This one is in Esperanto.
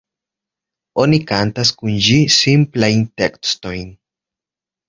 Oni kantas kun ĝi simplajn tekstojn.